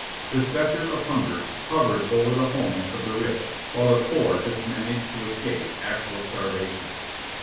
The spectre of hunger hovered over the homes of the rich, while the poor just managed to escape actual starvation.